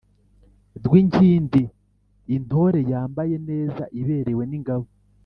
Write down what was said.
Rwinkindi: intore yambaye neza, iberewe n’ingabo.